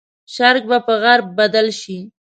شرق به په غرب بدل شي.